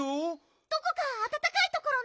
どこかあたたかいところないかな？